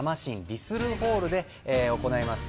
リスルホールで行います。